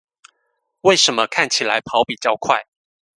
為什麼看起來跑比較快